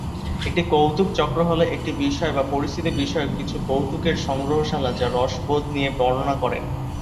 একটি কৌতুক চক্র হলো একটি বিষয় বা পরিস্থিতি বিষয়ক কিছু কৌতুকের সংগ্রহশালা যা রসবোধ নিয়ে বর্ণনা করে।